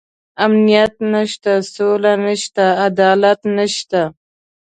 امنيت نشته، سوله نشته، عدالت نشته.